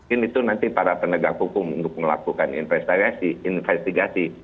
ini itu nanti para penegak hukum untuk melakukan investigasi